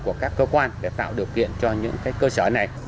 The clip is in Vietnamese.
của các cơ quan để tạo điều kiện cho những cơ sở này